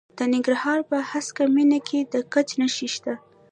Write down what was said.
د ننګرهار په هسکه مینه کې د ګچ نښې شته.